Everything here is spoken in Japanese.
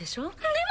でも。